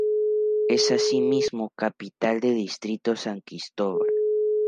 Es asimismo capital del distrito de San Cristóbal.